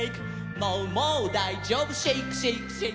「もうもうだいじょうぶシェイクシェイクシェイクシェイク」